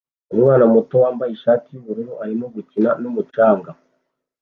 Umwana muto wambaye ishati yubururu arimo gukina numucanga